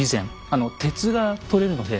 あの鉄がとれるので。